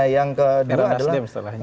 yang kedua adalah